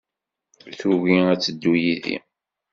Tugi ad teddu yid-i.